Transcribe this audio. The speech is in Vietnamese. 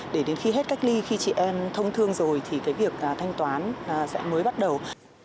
để đến khi hết cách ly khi chị em thông thương rồi thì cái việc thanh toán sẽ mới bắt đầu